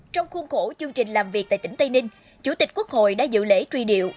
trong khuôn khổ chương trình làm việc tại tỉnh tây ninh chủ tịch quốc hội đã dự lễ truy điệu